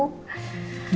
terima kasih banyak ya ibu